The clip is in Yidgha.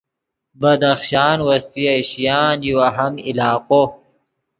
بدخشان وسطی ایشیان یو اہم علاقو